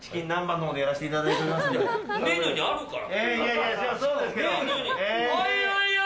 メニューにあるから！